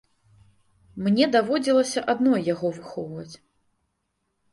Мне даводзілася адной яго выхоўваць.